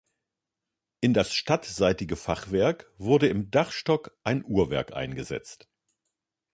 In das stadtseitige Fachwerk wurde im Dachstock ein Uhrwerk eingesetzt.